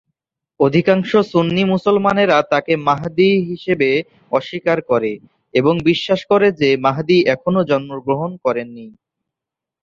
অধিকাংশ সুন্নি মুসলমানেরা তাঁকে মাহদী হিসেবে অস্বীকার করে এবং বিশ্বাস করে যে মাহদী এখনও জন্মগ্রহণ করেননি।